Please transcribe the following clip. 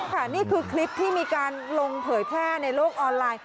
ค่ะนี่คือคลิปที่มีการลงเผยแพร่ในโลกออนไลน์